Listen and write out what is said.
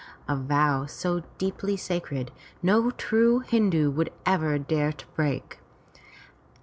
A vow so deeply sacred, no true Hindu would ever dare to break.